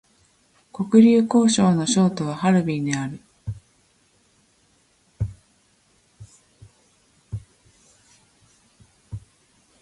黒竜江省の省都はハルビンである